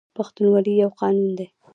پښتونولي یو قانون دی